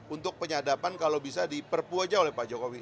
untuk penyadapan kalau bisa diperpu aja oleh pak jokowi